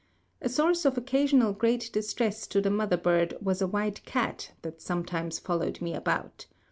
A source of occasional great distress to the mother bird was a white cat that sometimes followed me about.